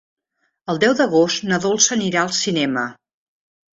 El deu d'agost na Dolça anirà al cinema.